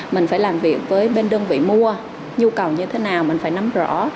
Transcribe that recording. mình phải làm việc với bên đơn vị mua nhu cầu như thế nào mình phải nắm rõ